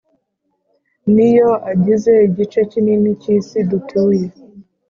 Ni yo agize igice kinini k’isi dutuye.